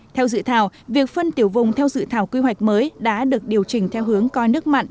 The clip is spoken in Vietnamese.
theo dự thảo việc phân tiểu vùng theo dự thảo quy hoạch mới đã được điều chỉnh theo hướng coi nước mặn